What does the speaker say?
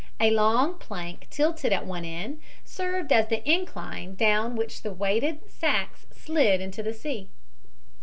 A long plank tilted at one end served as the incline down which the weighted sacks slid into the sea.